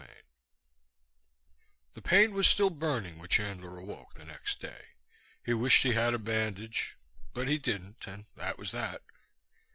III The pain was still burning when Chandler awoke the next day. He wished he had a bandage, but he didn't, and that was that.